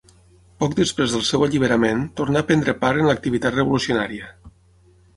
Poc després del seu alliberament, tornà a prendre part en l'activitat revolucionària.